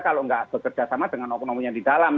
kalau nggak bekerja sama dengan oknum okn yang di dalam